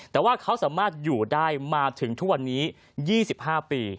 แต่ว่าเขาสามารถอยู่ได้มาถึงทุกวันนี้๒๕ปี